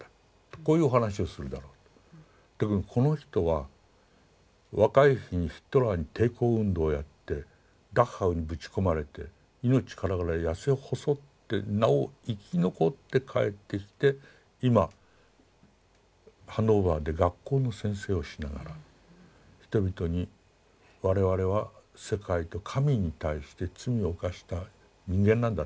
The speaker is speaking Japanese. こういうお話をするだろうと。だけどこの人は若い日にヒトラーに抵抗運動をやってダッハウにぶち込まれて命からがら痩せ細ってなお生き残って帰ってきて今ハノーバーで学校の先生をしながら人々に我々は世界と神に対して罪を犯した人間なんだと。